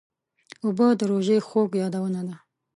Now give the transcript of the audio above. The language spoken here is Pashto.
اوبه د روژې خوږ یادونه ده.